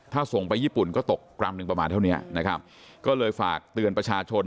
ถ้าส่งไปญี่ปุ่นก็ตกกรัมหนึ่งประมาณเท่านี้นะครับก็เลยฝากเตือนประชาชน